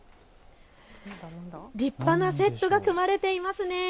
立派なセットが組まれていますね。